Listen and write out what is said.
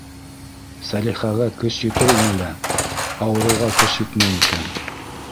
Сәлихәгә көс етер ине лә, ауырыуға көс етмәй икән.